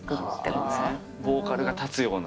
ボーカルが立つような。